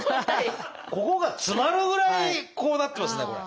ここが詰まるぐらいこうなってますねこれ。